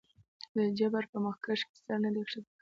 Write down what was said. د جبر پۀ مخکښې سر نه دے ښکته کړے